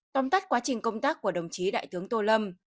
tóm tắt quá trình công tác của đồng chí đại tướng tô lâm